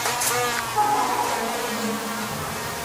Ttqadareɣ tabɣest-nnek.